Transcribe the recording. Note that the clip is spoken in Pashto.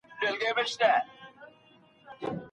ویره مو باید ستاسو اراده کمزورې نه کړي.